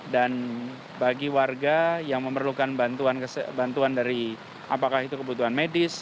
dan bagi warga yang memerlukan bantuan dari apakah itu kebutuhan medis